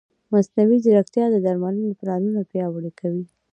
مصنوعي ځیرکتیا د درملنې پلانونه پیاوړي کوي.